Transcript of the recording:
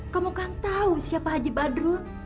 kamu kan tahu siapa haji badrun